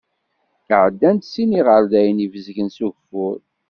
Ɛeddan-d sin iɣerdayen ibezgen s ugeffur.